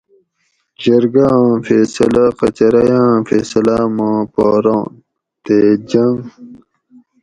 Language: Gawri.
جرگہ آں فیصلہ قچرئ آۤں فیصلاۤ ما پا ران تے جنگ